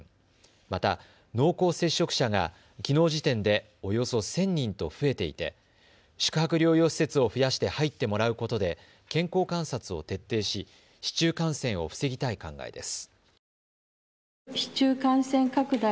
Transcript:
また濃厚接触者が、きのう時点でおよそ１０００人と増えていて宿泊療養施設を増やして入ってもらうことで健康観察を徹底し、市中感染を防ぎたい考えです。